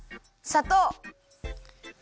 さとう。